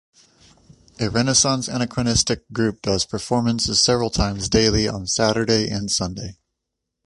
A Renaissance anachronistic group does performances several times daily on Saturday and Sunday.